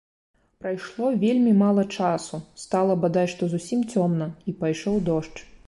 Прайшло вельмі мала часу, стала бадай што зусім цёмна, і пайшоў дождж.